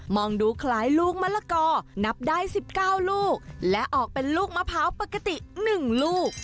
องดูคล้ายลูกมะละกอนับได้๑๙ลูกและออกเป็นลูกมะพร้าวปกติ๑ลูก